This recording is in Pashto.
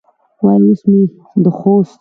وایي اوس مې د خوست